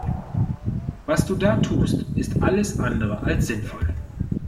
Was du da tust ist alles andere als sinnvoll.